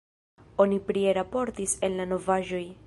Oni prie raportis en la novaĵoj.